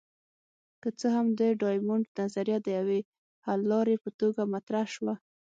که څه هم د ډایمونډ نظریه د یوې حللارې په توګه مطرح شوه.